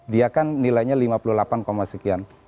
dia kan nilainya lima puluh delapan sekian